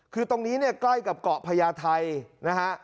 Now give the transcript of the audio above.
คือตรงนี้เนี่ยใกล้กับเกาะพญาไทยนะฮะ